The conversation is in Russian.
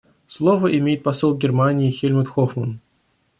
Слово имеет посол Германии Хельмут Хоффман.